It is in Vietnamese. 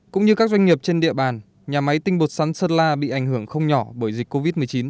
cũng như các doanh nghiệp trên địa bàn nhà máy tinh bột sắn sơn la bị ảnh hưởng không nhỏ bởi dịch covid một mươi chín